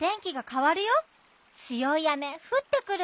つよい雨ふってくる。